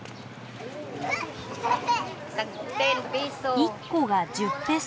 １個が１０ペソ。